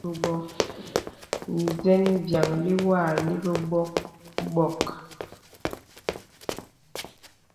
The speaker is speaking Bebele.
Bəŋ vyàŋli wɔ àlirì bɔ̀k.